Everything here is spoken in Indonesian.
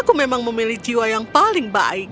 aku memang memilih jiwa yang paling baik